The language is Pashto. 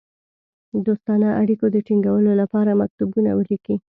دوستانه اړېکو د تینګولو لپاره مکتوبونه ولیکي.